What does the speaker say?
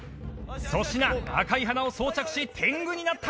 粗品赤い鼻を装着し天狗になった。